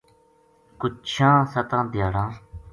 کجھ چھیاں ستاں دھیاڑاں